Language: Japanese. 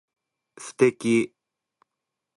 素敵